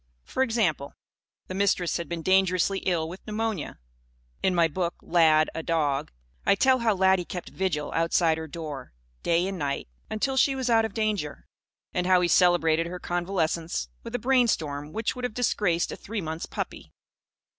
For example: The Mistress had been dangerously ill, with pneumonia. (In my book, Lad: A Dog, I tell how Laddie kept vigil outside her door, day and night, until she was out of danger; and how he celebrated her convalescence with a brainstorm which would have disgraced a three months puppy.)